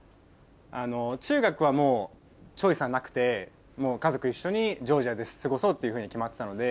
中学はもうチョイスはなくて家族一緒にジョージアで過ごそうっていうふうに決まってたので。